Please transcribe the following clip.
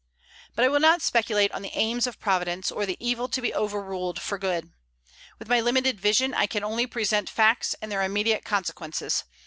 But I will not speculate on the aims of Providence, or the evil to be overruled for good. With my limited vision, I can only present facts and their immediate consequences.